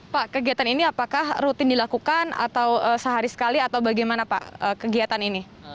pak kegiatan ini apakah rutin dilakukan atau sehari sekali atau bagaimana pak kegiatan ini